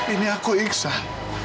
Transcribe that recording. ini aku iksan